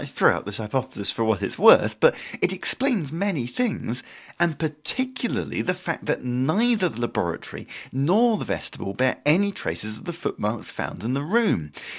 I throw out this hypothesis for what it is worth, but it explains many things, and particularly the fact that neither the laboratory nor the vestibule bear any traces of the footmarks found in the room.